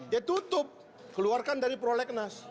ya tutup keluarkan dari prolegnas